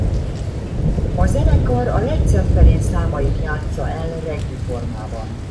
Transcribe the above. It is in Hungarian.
A zenekar a Led Zeppelin számait játssza el reggae formában.